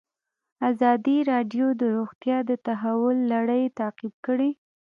ازادي راډیو د روغتیا د تحول لړۍ تعقیب کړې.